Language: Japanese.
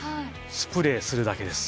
スプレーするだけです。